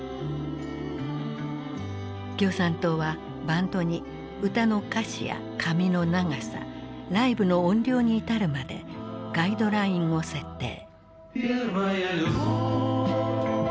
共産党はバンドに歌の歌詞や髪の長さライブの音量に至るまでガイドラインを設定。